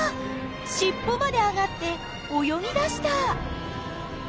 しっぽまで上がって泳ぎだした！